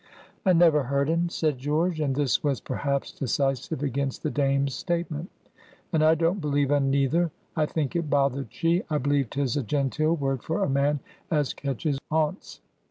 "I never heard un," said George. And this was perhaps decisive against the Dame's statement. "And I don't believe un neither. I think it bothered she. I believe 'tis a genteel word for a man as catches oonts.